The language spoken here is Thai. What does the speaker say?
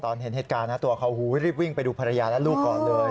เห็นเหตุการณ์ตัวเขารีบวิ่งไปดูภรรยาและลูกก่อนเลย